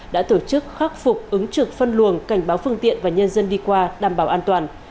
đã tổ chức khắc phục ứng trực phân luồng cảnh báo phương tiện và nhân dân đi qua đảm bảo an toàn